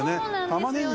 玉ねぎ